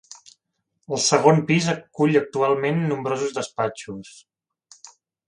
El segon pis acull actualment nombrosos despatxos.